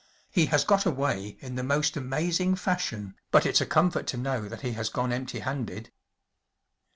He has got away in the most amazing fashion, but it’s a comfort to know that he has gone empty handed.